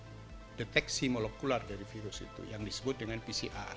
rapid test bersifat sebagai deteksi molekular dari virus itu yang disebut dengan pcr